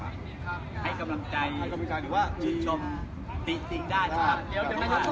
ให้กำลังใจชุดชมติดได้